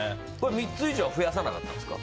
３つ以上は増やさなかったんですか。